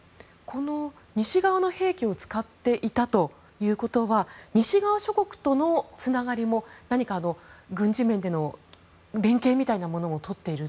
西側の兵器を使っていたということは西側諸国とのつながりも軍事面での連携みたいなものもとっている。